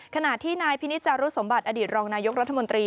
ขณะที่นายพินิจารุสมบัติอดีตรองนายกรัฐมนตรี